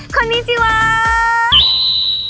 คนนิซิวัส